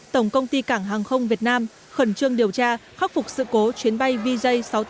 tổng công ty cảng hàng không việt nam khẩn trương điều tra khắc phục sự cố chuyến bay vj sáu trăm tám mươi